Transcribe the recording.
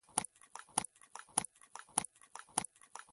د وخت واحد ثانیه ده.